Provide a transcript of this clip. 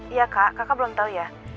iya kak kakak belum tahu ya